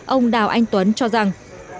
ông đào anh tuấn cho rằng